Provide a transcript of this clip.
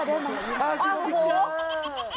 เออชีวพิกเจอร์